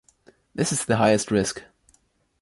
This is the highest risk.